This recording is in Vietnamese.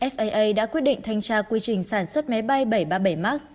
faa đã quyết định thanh tra quy trình sản xuất máy bay bảy trăm ba mươi bảy max